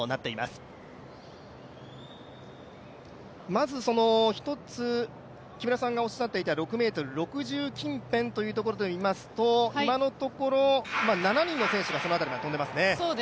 まず、１つ木村さんがおっしゃっていた６ｍ６０近辺というところでいいますと今のところ７人の選手がそのあたりは跳んでいますね。